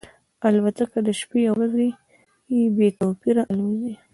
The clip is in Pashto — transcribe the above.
الوتکه د شپې او ورځې بې توپیره الوزي.